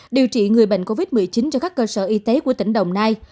điều trị người bệnh covid một mươi chín cho các cơ sở y tế của tỉnh đồng nai